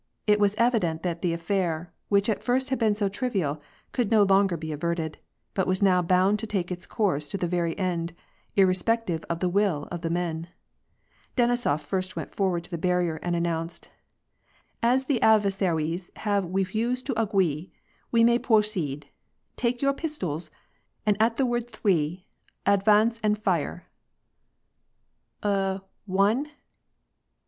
* It was evident that the affair, which at first had been so trivial, could no longer be averted, but was now bound to take its course to the very end, irre spective of the will of the men. Denisof first went forward to the barrier, and announced :— "As the adve^sa'wies have wefused to agwee, we may pwo ceed. Take your pistols, and at the word thwee, advance and fire." « U — one